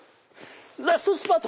ラストスパート！